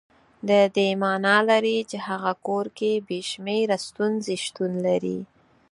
د دې معنا لري چې هغه کور کې بې شمېره ستونزې شتون لري.